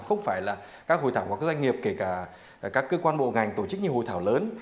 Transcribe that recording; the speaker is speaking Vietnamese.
không phải là các hội thảo của các doanh nghiệp kể cả các cơ quan bộ ngành tổ chức nhiều hội thảo lớn